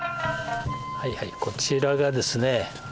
はいはいこちらがですね